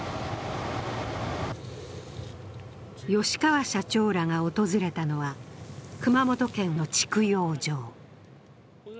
吉川社長らが訪れたのは熊本県の蓄養場。